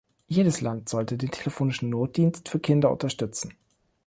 Jedes Land sollte den telefonischen Notdienst für Kinder unterstützen.